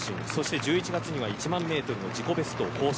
１１月には１万メートルの自己ベスト更新。